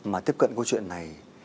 mà tiếp cận câu chuyện này